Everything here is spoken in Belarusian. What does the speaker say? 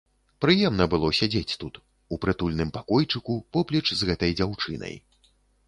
Прыемна было сядзець тут, у прытульным пакойчыку, поплеч з гэтай дзяўчынай.